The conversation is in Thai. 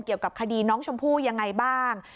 เกี่ยวกับคดีน้องชมพู่ยังไงบ้าง